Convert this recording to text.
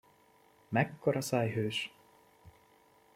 Mekkora szájhős!